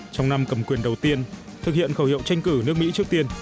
trong năm cầm quyền đầu tiên thực hiện khẩu hiệu tranh cử nước mỹ trước tiên